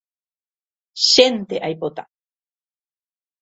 Chénte aipota